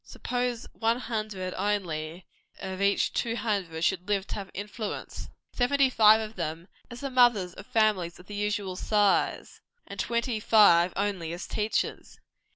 Suppose one hundred only of each two hundred, should live to have influence, seventy five of them as the mothers of families of the usual size, and twenty five only, as teachers.